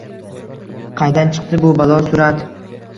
Qaydan chiqdi bu balo surat